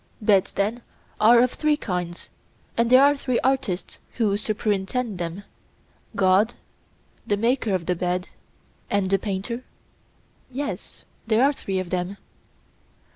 Beds, then, are of three kinds, and there are three artists who superintend them: God, the maker of the bed, and the painter? Yes, there are three of them.